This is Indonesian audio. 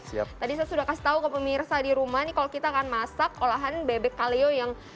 siap tadi saya sudah kasih tahu ke pemirsa di rumah nih kalau kita akan masak olahan bebek kaleo yang